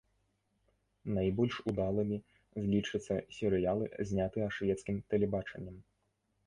Найбольш удалымі лічацца серыялы, знятыя шведскім тэлебачаннем.